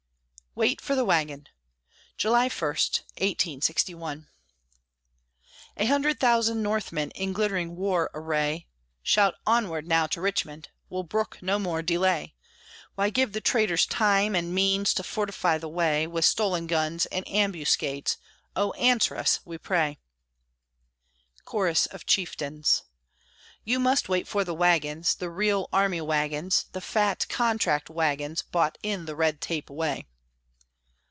WAIT FOR THE WAGON [July 1, 1861] A hundred thousand Northmen, In glittering war array, Shout, "Onward now to Richmond! We'll brook no more delay; Why give the traitors time and means To fortify the way With stolen guns, in ambuscades? Oh! answer us, we pray." Chorus of Chieftains You must wait for the wagons, The real army wagons, The fat contract wagons, Bought in the red tape way.